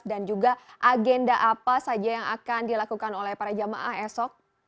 dan juga agenda apa saja yang akan dilakukan oleh para jemaah esok